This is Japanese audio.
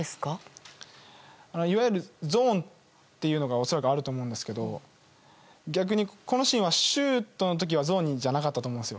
いわゆるゾーンがあると思うんですけど逆にこのシーンはシュートの時はゾーンじゃなかったと思います。